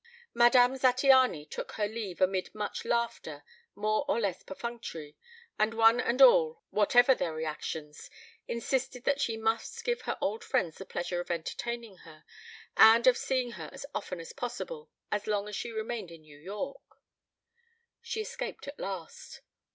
Madame Zattiany took her leave amid much laughter, more or less perfunctory, and one and all, whatever their reactions, insisted that she must give her old friends the pleasure of entertaining her, and of seeing her as often as possible as long as she remained in New York. She escaped at last.